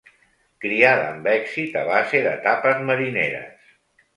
Criada amb èxit a base de tapes marineres.